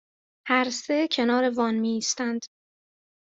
هر سه کنار وان میایستند